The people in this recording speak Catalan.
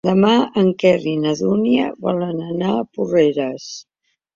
Demà en Quer i na Dúnia volen anar a Porreres.